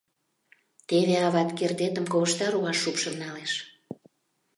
— Теве ават кердетым ковышта руаш шупшын налеш...